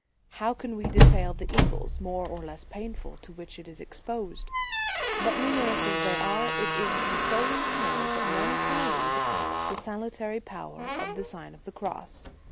How can we detail the evils, more or less painful, to which it is exposed? But numerous as they are, it is consoling to know that none can elude the salutary power of the Sign of the Cross.